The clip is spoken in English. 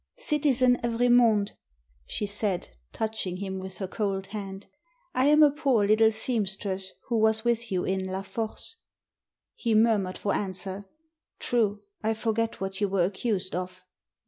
"Citizen Evremonde," she said, touching him with her cold hand. " I am a poor little seamstress, who was with you in La Force." He murmured for answer: "True. I forget what you were accused of?"